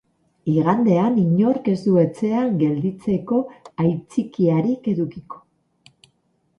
Igandean, inork ez du etxean gelditzeko aitzakiarik edukiko.